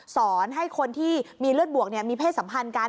สอนให้คนที่มีเลือดบวกมีเพศสัมพันธ์กัน